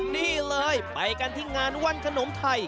นี่เลยไปกันที่งานวันขนมไทย